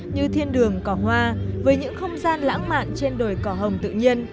như thiên đường cỏ hoa với những không gian lãng mạn trên đồi cỏ hồng tự nhiên